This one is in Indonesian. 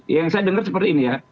ya yang saya dengar seperti ini ya